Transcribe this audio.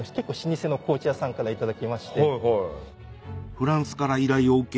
フランスから依頼を受け